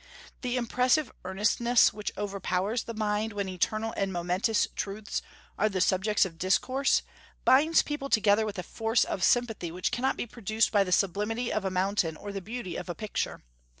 The impressive earnestness which overpowers the mind when eternal and momentous truths are the subjects of discourse binds people together with a force of sympathy which cannot be produced by the sublimity of a mountain or the beauty of a picture.